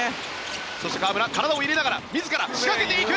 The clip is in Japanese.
そして河村体を入れながら自ら仕掛けていく！